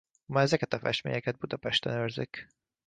Ma ezeket a festményeket Budapesten őrzik.